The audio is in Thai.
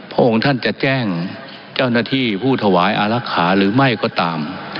พระองค์ท่านจะแจ้งเจ้าหน้าที่ผู้ถวายอารักษาหรือไม่ก็ตาม